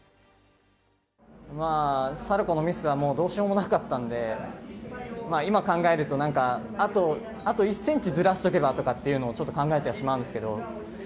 サルコーのミスはどうしようもなかったんで、今考えると、なんか、あと１センチずらしとけばっていうのをちょっと考えたりしてしまうんですけど。